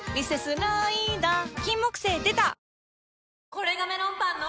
これがメロンパンの！